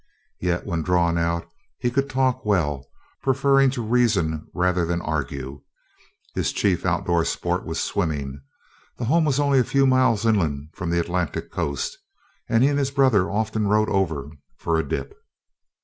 Yet when drawn out, he could talk well, preferring to reason rather than argue. His chief outdoor sport was swimming. The home was only a few miles inland from the Atlantic coast, and he and his brothers often rode over for a dip.